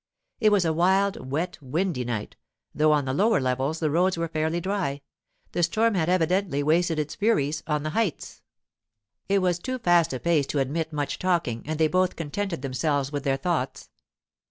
It was a wild, wet, windy night, though on the lower levels the roads were fairly dry: the storm had evidently wasted its fury on the heights. It was too fast a pace to admit much talking, and they both contented themselves with their thoughts.